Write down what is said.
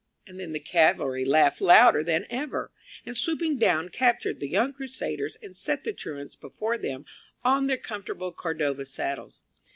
And then the cavalry laughed louder than ever, and swooping down captured the young crusaders and set the truants before them on their uncomfortable Cordova saddles.